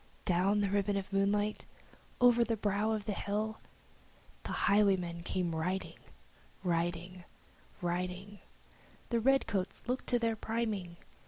Down the ribbon of moonlight, over the brow of the hill, The highwayman came riding Riding riding The redcoats looked to their priming!